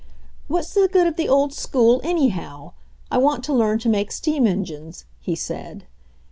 "What's the good of the old school, anyhow? I want to learn to make steam engines," he said.